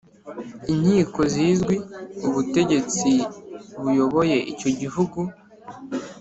inkiko zizwi ubutegetsi buyoboye icyo gihugu